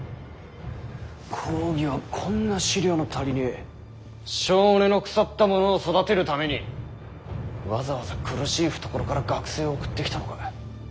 公儀はこんな思慮の足りねぇ性根の腐った者を育てるためにわざわざ苦しい懐から学生を送ってきたのか？